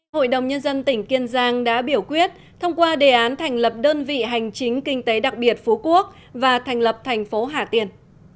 hội đồng nhân dân tỉnh kiên giang đã biểu quyết thông qua đề án thành lập đơn vị hành chính kinh tế đặc biệt phú quốc và thành lập thành phố hà tiên